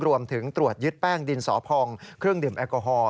รวมถึงตรวจยึดแป้งดินสอพองเครื่องดื่มแอลกอฮอล